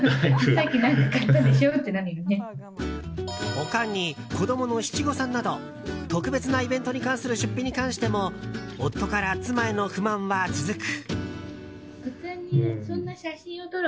他に、子供の七五三など特別なイベントに関する出費に関しても夫から妻への不満は続く。